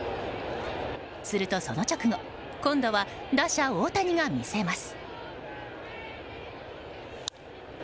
すると、その直後今度は打者・大谷が魅せます。